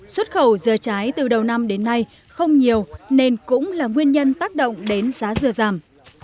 xuất khẩu dừa trái từ đầu năm đến nay không nhiều nên cũng là nguyên nhân tác động đến giá dừa giảm